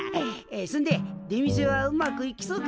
そんで出店はうまくいきそうか？